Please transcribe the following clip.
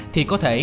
thì có thể